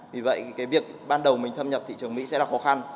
vì vậy cái việc ban đầu mình thâm nhập thị trường mỹ sẽ là khó khăn